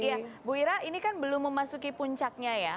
iya bu ira ini kan belum memasuki puncaknya ya